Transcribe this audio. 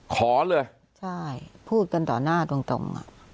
ขอเลยใช่พูดกันต่อหน้าตรง